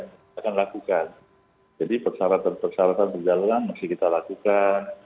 kita akan lakukan jadi persyaratan persyaratan perjalanan masih kita lakukan